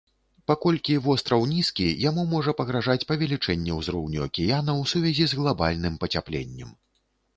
Паколькі востраў нізкі, яму можа пагражаць павелічэнне ўзроўню акіяна ў сувязі з глабальным пацяпленнем.